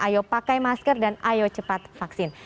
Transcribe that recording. ayo pakai masker dan ayo cepat vaksin